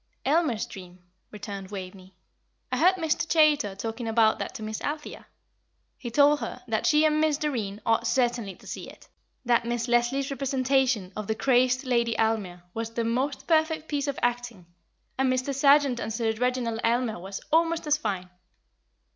"Aylmer's Dream," returned Waveney. "I heard Mr. Chaytor talking about that to Miss Althea. He told her that she and Miss Doreen ought certainly to see it that Miss Leslie's representation of the crazed Lady Aylmer was the most perfect piece of acting; and Mr. Sargent as Sir Reginald Aylmer was almost as fine."